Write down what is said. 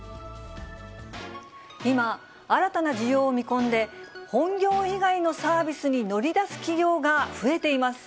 今、新たな需要を見込んで、本業以外のサービスに乗り出す企業が増えています。